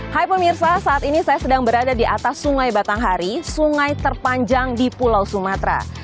pemirsa saat ini saya sedang berada di atas sungai batanghari sungai terpanjang di pulau sumatera